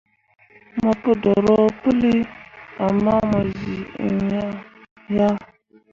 Mo pu dorõo puli ama mo zii iŋya yah.